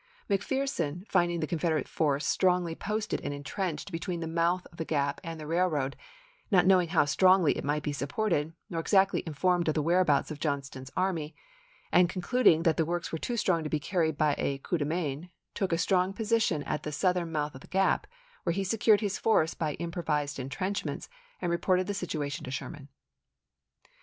McPherson, finding the Confederate force strongly posted and intrenched between the mouth of the Gap and the railroad, not knowing how strongly it might be supported, nor exactly informed of the whereabouts of Johnston's army, and concluding that the works were too strong to be carried by a coup de main, took a strong position at the southern mouth of the Gap, where he secured his force by improvised intrenchments and reported the situa tion to Sherman.